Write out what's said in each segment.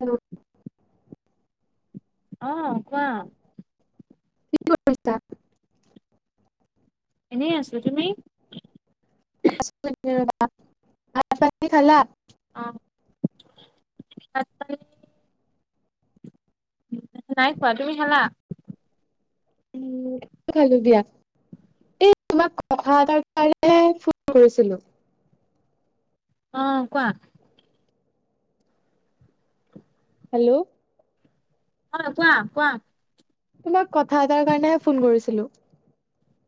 Hello. অ', কোৱা। কি কৰিছা? এনেই আছোঁ, তুমি? আছোঁ এনেই ৰ'বা, ভাত-পানী খালা? অ', ভাত-পানী নাই খোৱা, তুমি খালা? উম, খালো দিয়া, এই তোমাক কথা এটাৰ কাৰণে, হে ফোন কৰিছিলো। অ', কোৱা। হেল্ল'। অ', কোৱা, কোৱা। তোমাক কথা এটাৰ কাৰণেহে, ফোন কৰিছিলো।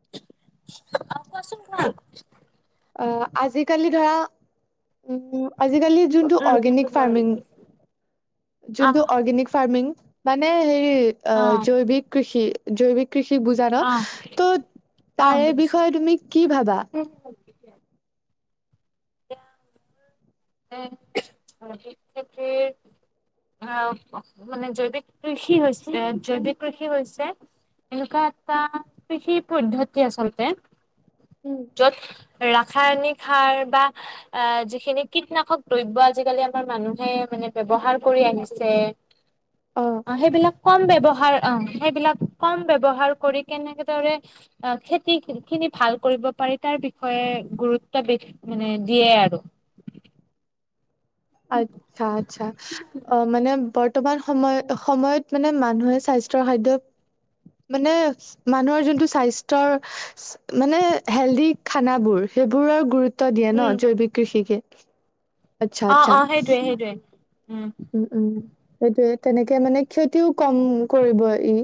অ', কোৱাচোন কোৱা। অ', আজিকালি ধৰা উম, উম, আজিকালি যোনটো উম ৰুটিটো অৰ্গেনিক মই ৰেডি ফাৰ্মিং কৰিছো। অ যোনটো অৰ্গেনিক ফাৰ্মিং, মানে হেৰি, আ অ জৈৱিক কৃষি, জৈৱিক কৃষি বুজা ন, অ অ ত' অ তাৰে বুজিছো বিষয়ে তুমি কি ভাবা? [inaudible] [unintelligible] অ মানে জৈৱিক কৃষি হৈছে জৈৱিক কৃষি হৈছে এনেকুৱা এটা কৃষি পদ্ধতি আচলতে উম, য'ত ৰাসায়নিক সাৰ বা অ যি খিনি কীটনাশক দ্ৰব্য আজিকালি আমাৰ মানুহে মানে ব্যৱহাৰ কৰি আহিছে [unintelligible] অ সেইবিলাক কম ব্যয়ৱহাৰ অ সেইবিলাক কম ব্যয়ৱহাৰ কৰি কেনেকেদৰে অ খেতি খিনি ভাল কৰিব পাৰি তাৰ বিষয়ে গুৰুত্ব দি মানে দিয়ে আৰু আচ্ছা আচ্ছা অ মানে বৰ্তমান সময় সময়ত মানে মানুহে স্বাস্থ্যৰ খাদ্য মানে মানুহৰ যোনটো স্বাস্থ্যৰ মানে হেলডি খানাবোৰ সেইবোৰৰ গুৰুত্ব দিয়ে ন উম জৈৱিক কৃষিকে আচ্ছা অ আচ্ছা অ সেইটোৱে সেইটোয়ে উম উম উম সেইটোয়ে তেনেকে মানে ক্ষতিও কম কৰিব ই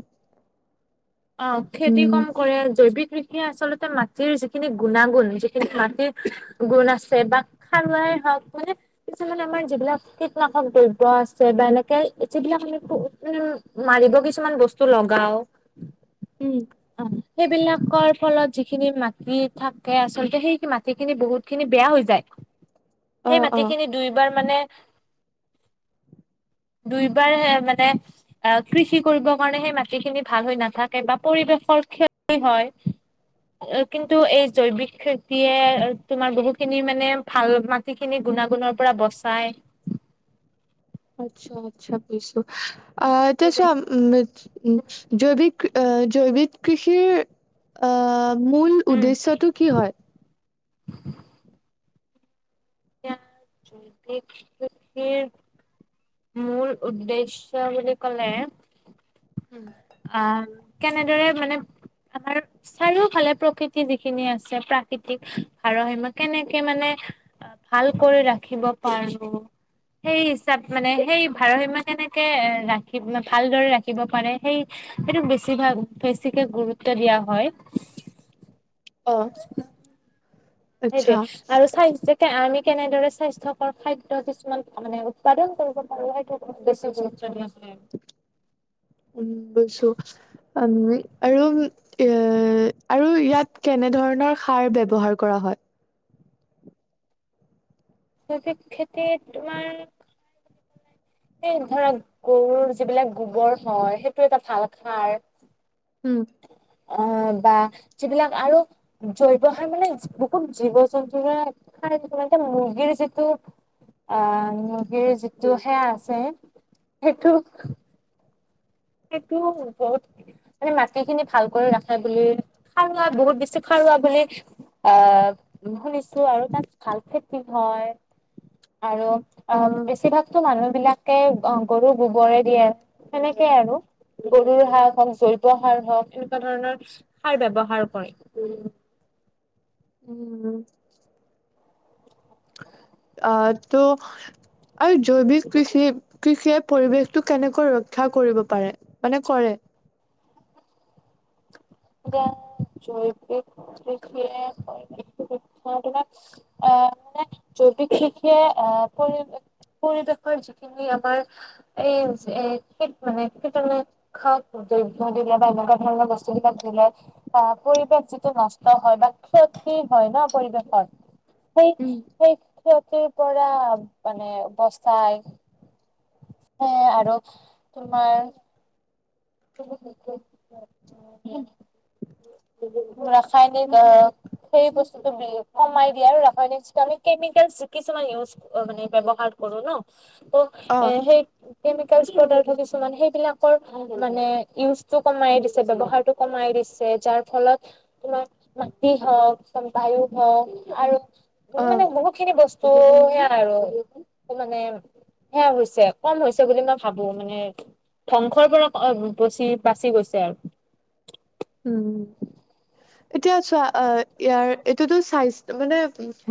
অ খেতি উম কম কৰে জৈৱিক সেই আচলতে মাটিৰ যিখিনি গুণাগুণ যিখিনি মাটিৰ গুণ আছে বা খাৰুৱাই হওঁক মানে কিছুমানে আমাৰ যিবিলাক কীটনাশক দ্ৰব্য আছে বা এনেকে যিবিলাক মানে উ মাৰিব কিছুমান বস্তু লগাও উম অ সেইবিলাকৰ ফলত যিখিনি মাটি থাকে আচলতে সেই মাটি খিনি বহুত খিনি বেয়া হৈ যায় [unintelligible] সেই অ মাটিখিনি দুইবাৰ মানে [unintelligible] দুইবাৰ মানে অ কৃষি কৰিব কাৰণে সেই মাটিখিনি ভাল হৈ নাথাকে বা পৰিৱেশৰ ক্ষতি হয় কিন্তু এই জৈৱিক খেতিয়ে তোমাৰ বহু খিনি মানে ভাল মা মাটিখিনি গুণাগুণৰ পৰা বচাই আচ্ছা আচ্ছা সেইটোৱে [unintelligible] জৈৱিক জৈৱিক কৃষিৰ আহ মূল উম উদ্দেশ্যটো কি হয়। [unintelligible] মূল্যউদ্দেশ্য বুলি ক'লে উম অ কেনেদৰে মানে আমাৰ চাৰিওফালে প্ৰকৃতি যিখিনি আছে প্ৰাকৃতিক ভাৰসাম্যত কেনেকে মানে ভাল কৰি ৰাখিব পাৰোঁ সেই হিচাপ মানে সেই ভাৰসীমা কেনেকে এ ৰাখি ভালদৰে ৰাখিব পাৰে সেই সেইটো বেছিভাগ বেছিকে গুৰুত্ব দিয়া হয় অ আচ্ছা সেইটোৱে আৰু চাই আমি কেনেদৰে স্বাস্থ্যৰ খাদ্য কিছুমান মানে উৎপাদন কৰিব পাৰোঁ [unintelligible] উম বুজিছোঁ উম আৰু এ এ আৰু ইয়াত কেনেধৰণৰ সাৰ ব্যৱহাৰ কৰা হয় জৈবিক খেতিত তোমাৰ এই ধৰা গৰুৰ যিবিলাক গোবৰ হয়, সেইটো এটা ভাল সাৰ। উম। অ', বা যিবিলাক আৰু জৈৱ সাৰ মানে যি বহুত জীৱ-জন্তুৰে সাৰ মানে মুৰ্গীৰ যিটো আ মুৰ্গীৰ যিটো সেয়া আছে, সেইটো সেইটোও বহুত। মানে মাটি খিনি ভাল কৰি ৰাখে বুলি, খাৰুৱা বহুত বেছি খাৰুৱা বুলি আ, শুনিছো আৰু তাত ভাল খেতি হয়। আৰু আ অ', বেছিভাগ তো মানুহ বিলাকে আ গৰু গোবৰে দিয়ে সেনেকেই আৰু। গৰুৰ সাৰ হওঁক, জৈৱ সাৰ হওঁক, এনেকুৱা ধৰণৰ সাৰ ব্যৱহাৰ কৰে, উম। উম। আ টো আৰু জৈৱিক কৃষি-কৃষিয়ে পৰিবেশটো কেনেকৈ ৰক্ষা কৰিব পাৰে, মানে কৰে। এতিয়া জৈৱিক কৃষিয়ে। [unintelligible] আ মানে জৈৱিক কৃষিয়ে আ পৰিৱেশ পৰিৱেশৰ যিখিনি আমাৰ এই যে শীত মানে [unintelligible] খাক দ্ৰব্য কেতিয়াবা এনেকুৱা ধৰণৰ বস্তুবিলাক কিলে, তাৰোপৰি বা যিটো নষ্ট হয় বা ক্ষতি হয় ন পৰিৱেশত সেই উম, সেই ক্ষতিৰ পৰা মানে বচাই। সেয়ে আৰু তোমাৰ [inaudible] [unintelligible] ৰাসায়নিক অ' সেই বস্তুতটো বি কমাই দিয়ে আৰু ৰাসায়নিক যিটো আমি কেমিকেল যি কিছুমান ইউজ অ', মানে ব্যৱহাৰ কৰো ন, ত এ অ', সেই কেমিকেলচ পদাৰ্থ কিছুমান, সেইবিলাকৰ মানে ইউজটো কমাই দিছে, ব্যৱহাৰটো কমাই দিছে, যাৰ ফলত তোমাৰ মাটি হওঁক, কিছুমান বায়ু হওঁক আৰু [unintelligible] অ', মানে বহুত খিনি বচ ত' সেয়াই আৰু এই মানে সেয়া হৈছে, কম হৈছে বুলি মই ভাবো মানে ধ্বংসৰ পৰা অ', ব-বছি বাচি গৈছে আৰু। উম। এতিয়া চোৱা, অ', ইয়াৰ এইটোতো স্বাইছ মানে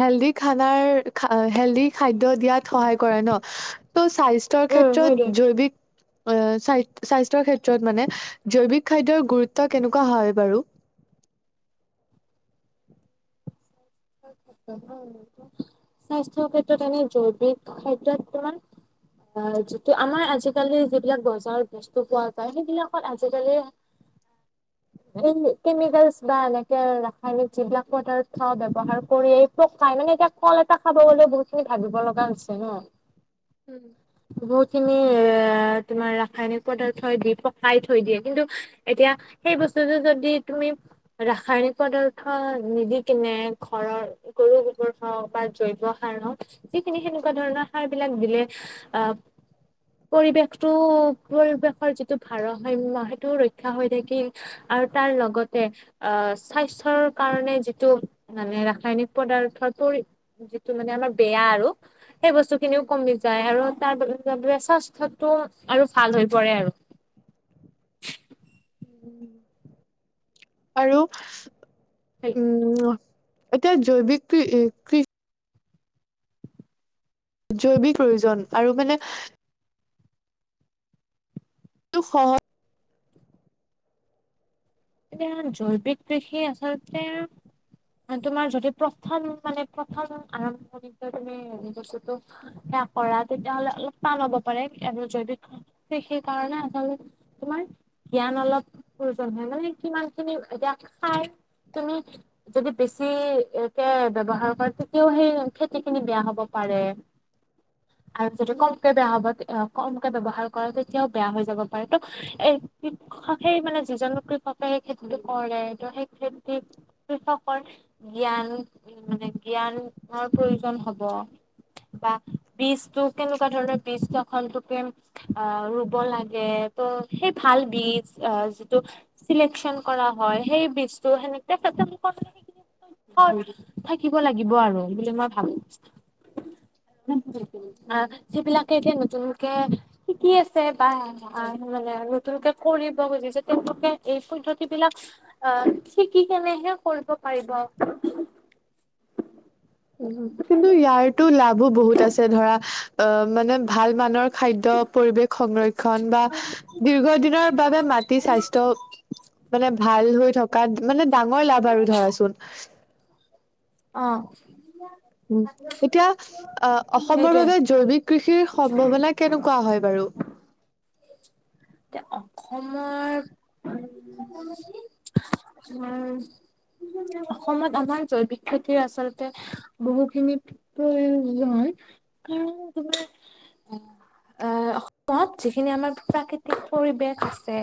হেল্ডি খানাৰ খাআ হেল্ডি খাদ্য দিয়াত সহায় কৰে ন ত' স্বাই স্থ্যৰ উম হয় দে ক্ষেত্ৰত জৈৱিক অ', চাই স্বাস্থ্যৰ ক্ষেত্ৰত মানে, জৈৱিক খাদ্যৰ গুৰুত্ব কেনেকুৱা হয় বাৰু? [unintelligible] স্বাস্থ্যৰ ক্ষেত্ৰত কাৰণে জৈৱিক খাদ্যত কিমান আ, যিটো আমাৰ আজিকালি যিবিলাক বজাৰত বস্তু পোৱা যায়, সেইবিলাকত আজিকালি [inaudible] মেইনলী কেমিকেলচ বা এনেকে ৰাসায়নিক যিবিলাক পদাৰ্থ ব্যৱ ৱহাৰ কৰিয়েই পকাই, মানে এতিয়া কল এটা খাব গ'লেও বহুত খিনি ভাবিব লগা হৈছে ন। উম। বহুতখিনি এ তোমাৰ ৰাসায়নিক পদাৰ্থই দি পকাই থৈ দিয়ে, কিন্তু এতিয়া সেই বস্তুটো যদি তুমি ৰাসায়নিক পদাৰ্থ নিদি কিনে ঘৰৰ গৰু গোবৰ হওক বা জৈৱসাৰ হওক যিখিনি এনেকোৱা ধৰণৰ সাৰবিলাক দিলে অহ পৰিৱেশটো পৰিৱেশৰ যিটো ভাৰসাম্য সেইটো ৰক্ষা হৈ থাকিল। আৰু তাৰ লগতে আহ স্বাস্থ্যৰ কাৰণে যিটো মানে ৰাসায়নিক পদাৰ্থটোৰ যিটো মানে আমাৰ বেয়া আৰু সেই বস্তুখিনিও উম, কমি যায় আৰু তাৰ স্বাস্থ্যটো আৰু ভাল হৈ পৰে আৰু। উম। আৰু উম এতিয়া জৈৱিক কি কৃ জৈৱিক প্ৰয়োজন আৰু মানে [unintelligible] এতিয়া জৈৱিক কৃষি আচলতে তোমাৰ যদি প্ৰথমত মানে প্ৰথম আৰম্ভণি পৰাই মানে তুমি বস্তুটো যেতিয়া কৰা তেতিয়া হ'লে অলপ টান হ'ব পাৰে আৰু জৈৱিক অ কৃষি কাৰণে আচলতে তোমাৰ জ্ঞান অলপ প্ৰয়োজন হয় মানে কিমানখিনি এতিয়া খাই তুমি যদি বেছিকে ব্যৱহাৰ কৰে তেতিয়াও সেই খেতিখিনি বেয়া হব পাৰে। [unintelligible] আৰু যদি কমকে বেয়া হ'ব তেতিয়া কমকে ব্যৱহাৰ কৰে তেতিয়াও বেয়া হৈ যাব পাৰে ত' এ কৃষক সেই মানে যিজন লোকে হক সেই খেতিটো কৰে ত সেই খেতিত কৃষকৰ জ্ঞান উ মানে জ্ঞানৰ প্ৰয়োজন হ'ব। বা বীজটো কেনেকোৱা ধৰণৰ বীজটো এখন হোটেল আহ ৰুব লাগে ত সেই ভাল বীজ আহ যিটো চিলেকচন কৰা হয় সেই বীজটো সেনেকে প্ৰথমত হয় থাকিব লাগিব আৰু বুলি মই ভাবো। উ আ যিবিলাকে এতিয়া নতুনকে শিকি আছে বা মানুহজনে আৰু নতুনকে কৰিব খুজিছে তেওঁলোকে এই পদ্ধতি বিলাক আহ শিকি কেনেহে কৰিব পাৰিব। কিন্তু ইয়াৰতো লাভো বহুত আছে ধৰা অ মানে ভাল মানৰ খাদ্য পৰিৱেশ সংৰক্ষণ বা দীৰ্ঘ দিনৰ বাবে মাটি স্বাস্থ্য মানে ভাল হৈ থকাত মানে ডাঙৰ লাভ আৰু ধৰা চোন। অ উ এতিয়া অ অসমৰ সেইটোৱে। বাবে জৈৱিক কৃষিৰ সম্ভাৱনা কেনেকোৱা হয় বাৰু? এতিয়া অসমৰ সকলো উম অসমত আমাৰ জৈৱিক খেতিৰ আচলতে বহুখিনি ত নহয় কাৰণ তোমাৰ এ অসমত যিখিনি আমাৰ প্ৰাকৃতিক পৰিৱেশ আছে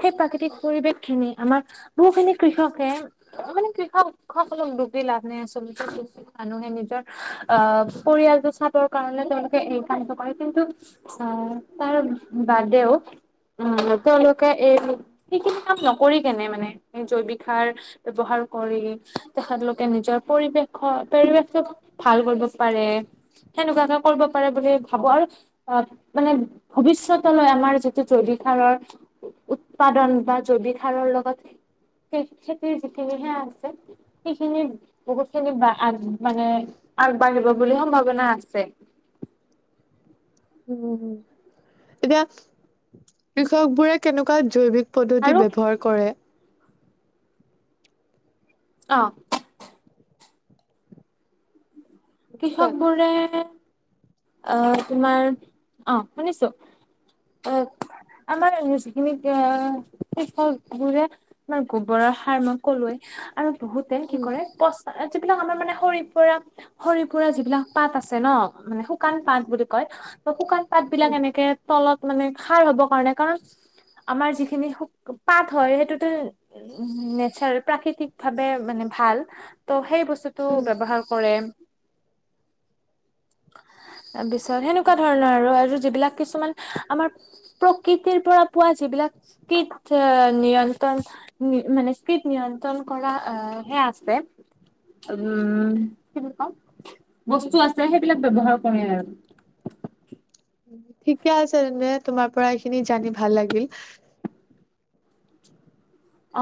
সেই প্ৰাকৃতিক পৰিৱেশখিনি আমাৰ বহুখিনি কৃষকে মানে কৃষক সকলক দুখ দি লাভ নাই আচলতে। মানুহে নিজৰ আহ পৰিয়ালটো চাবৰ কাৰণে তেওঁলোকে এই কামটো কৰে কিন্তু অ তাৰবাদেও অ তেওঁলোকে এই যি সেইখিনি কাম নকৰি কেনে মানে জৈৱিক সাৰ ব্যৱহাৰ কৰি তেখেতলোকে নিজৰ পৰিৱেশ অ পৰিবেশটোতো ভাল কৰিব পাৰে, খেনেকোৱা কৰিব পাৰে বুলি ভাবো আৰু অ মানে ভৱিষ্যতলৈ আমাৰ যিটো জৈৱিক সাৰৰ উৎপাদন বা জৈৱিক সাৰৰ লগত সেই খেতিৰ যিখিনি সেয়া আছে সেইখিনি বহুত খিনি মানে আগবাঢ়িব বুলি সম্ভাৱনা আছে। উম, এতিয়া কৃষক বোৰে কেনেকুৱা জৈৱিক পদ্ধতি আৰু ব্যৱহাৰ কৰে। অঁ কোৱা কৃষক বোৰে আহ তোমাৰ, অ শুনিছো। অ আমাৰ যিখিনি আহাৰ কৃষকবোৰে তোমাৰ গোবৰৰ সাৰ মই নকৰুৱে আৰু বহুতে কি উম কৰে পচা যিবিলাক আমাৰ মানে সৰি পৰা খৰি পৰা যিবিলাক পাত আছে ন মানে শুকান পাত বুলি কয় ত শুকান পাত বিলাক উম, এনেকে তলত মানে খাৰ হ'ব কাৰণে কাৰণ আমাৰ যিখিনি পাত হয় সেইটোতো উ, নেচাৰেল প্ৰাকৃতিক ভাৱে মানে ভাল। ত' সেই বস্তুটো উম, ব্যৱহাৰ কৰে। তাৰপিছত সেনেকুৱা উম, ধৰণৰ আৰু আৰু যিবিলাক কিছুমান আমাৰ প্ৰকৃতিৰ পৰা পোৱা যিবিলাক কৃতহ নিয়ন্ত্ৰণ মানে স্তিত নিয়ন্ত্ৰণ কৰা সেয়া আছে উম, কি বুলি কওঁ বস্তু আছে সেইবিলাক ব্যৱহাৰ কৰে আৰু। ঠিকে আছে তেন্তে তোমাৰ পৰা এইখিনি জানি ভাল লাগিল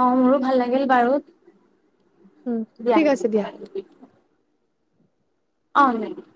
অহ, মোৰো ভাল লাগিল বাৰু উম, ঠিক আছে দিয়া। অহ [inaudible]